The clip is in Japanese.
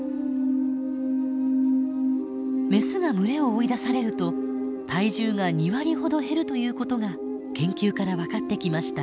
メスが群れを追い出されると体重が２割ほど減るということが研究からわかってきました。